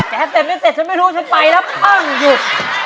แก้เต็มไม่เสร็จฉันไม่รู้ฉันไปแล้วอ้างอยู่